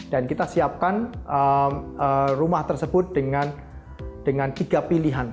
dan kita siapkan rumah tersebut dengan tiga pilihan